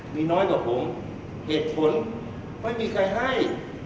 มีน้อยกว่าผมเหตุผลไม่มีใครให้